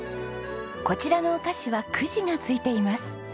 こちらのお菓子はくじが付いています。